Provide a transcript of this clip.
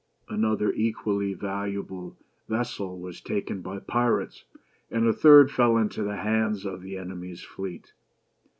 Another equally valuable vessel was taken by pirates, and a third fell into the hands of the enemy's fleet.